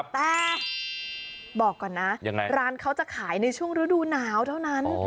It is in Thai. แต่บอกก่อนนะร้านเขาจะขายในช่วงฤดูหนาวเท่านั้น